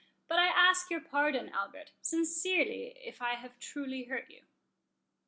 —But I ask your pardon, Albert, sincerely, if I have really hurt you."